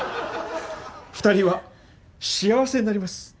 ２人は幸せになります。